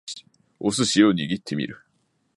お寿司を握ってみる